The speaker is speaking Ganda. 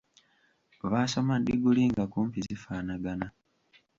Baasoma diguli nga kumpi zifaanagana.